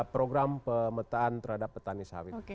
program pemetaan terhadap petani sawit